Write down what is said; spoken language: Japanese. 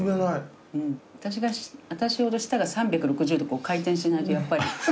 私ほど舌が３６０度回転しないとやっぱり。